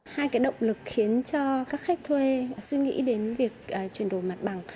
hai cái động lực khiến cho các khách thuê suy nghĩ đến việc chuyển đổi mặt bằng